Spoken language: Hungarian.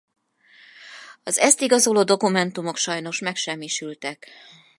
Az ezt igazoló dokumentumok sajnos megsemmisültek.